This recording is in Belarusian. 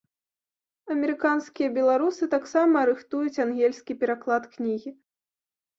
Амерыканскія беларусы таксама рыхтуюць ангельскі пераклад кнігі.